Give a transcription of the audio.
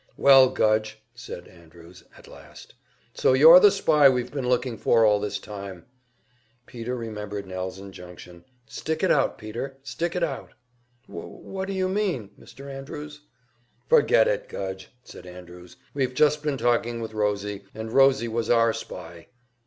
"Well, Gudge," said Andrews, at last, "so you're the spy we've been looking for all this time!" Peter remembered Nell's injunction, "Stick it out, Peter! Stick it out!" "Wh wh what do you mean, Mr. Andrews?" "Forget it, Gudge," said Andrews. "We've just been talking with Rosie, and Rosie was our spy."